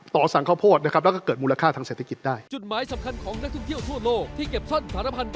ต่อสารข้าวโพดนะครับ